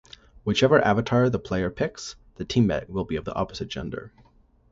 Whichever avatar the player picks, the teammate will be of the opposite gender.